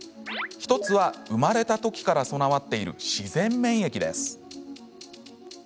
１つは、生まれたときから備わっている自然免疫です。